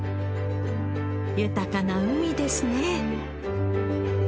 豊かな海ですね